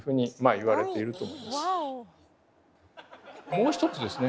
もう一つですね